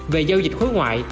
về giao dịch khối ngoại